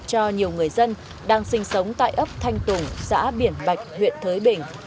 cho nhiều người dân đang sinh sống tại ấp thanh tùng xã biển bạch huyện thới bình